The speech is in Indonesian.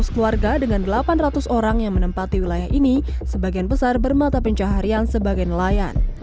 dua ratus keluarga dengan delapan ratus orang yang menempati wilayah ini sebagian besar bermata pencaharian sebagai nelayan